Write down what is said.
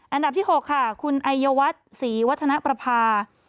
อันดับที่๖ค่ะคุณไอยวัฒน์ศรีวัฒนประภา